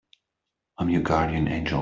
I'm your guardian angel.